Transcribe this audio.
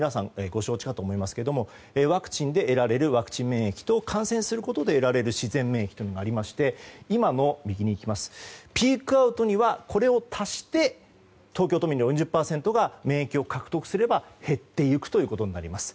ご承知かと思いますけどワクチンで得られるワクチン免疫と感染することで得られる自然免疫というのがありまして今のピークアウトにはこれを足して東京都民の４０％が免疫を獲得すれば減っていくということになります。